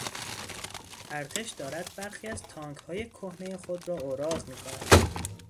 ارتش دارد برخی از تانکهای کهنهی خود را اوراق میکند.